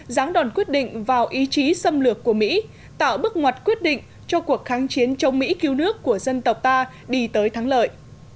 ráng đòn quyết định vào ý chí xâm lược của mỹ tạo bước ngoặt quyết định cho cuộc kháng chiến chống mỹ cứu nước của dân tộc ta đi tới thắng lợi